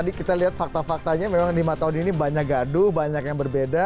tadi kita lihat fakta faktanya memang lima tahun ini banyak gaduh banyak yang berbeda